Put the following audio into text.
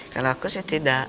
kalau aku sih tidak